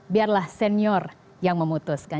biarlah senior yang memutuskan